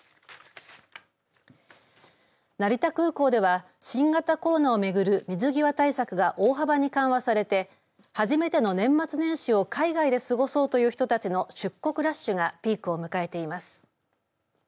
成田空港では新型コロナを巡る水際対策が大幅に緩和されて初めての年末年始を海外で過ごそうという人たちの出国ラッシュがピークを迎えています。